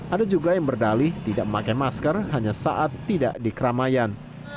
ada juga yang berdalih tidak memakai masker hanya saat tidak di keramaian